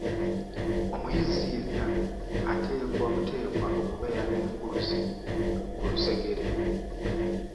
Omuyizi yenna ateekwa buteekwa okubeera n'enkuluze ku lusegere.